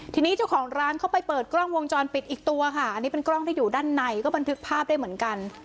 ทีนี้เจ้าของร้านเขาไปเปิดกล้องวงจรปิดอีกตัวค่ะอันนี้เป็นกล้องที่อยู่ด้านในก็บันทึกภาพได้เหมือนกัน